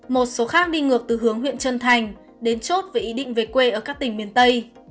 một số khác đi ngược từ hướng huyện trân thành đến chốt với ý định về quê ở các tỉnh miền tây